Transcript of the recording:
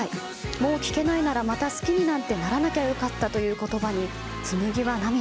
もう聞けないならまた好きになんてならなきゃ良かったという言葉に紬は涙。